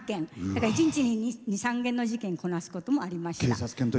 だから、１日に２３件の事件をこなすこともありました。